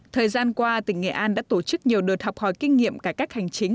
thời gian qua tỉnh nghệ an đã tổ chức nhiều đợt học hỏi kinh nghiệm cải cách hành chính